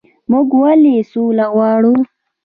موږ ولې سوله غواړو؟